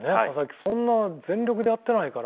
そんな全力でやってないから。